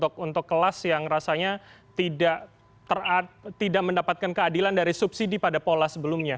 untuk kelas yang rasanya tidak mendapatkan keadilan dari subsidi pada pola sebelumnya